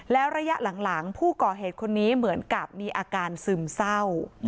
แล้วระยะหลังผู้ก่อเหตุคนนี้เหมือนกับมีอาการซึมเศร้า